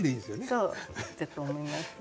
そうだと思います。